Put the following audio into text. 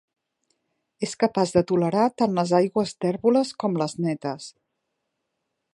És capaç de tolerar tant les aigües tèrboles com les netes.